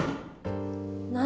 何？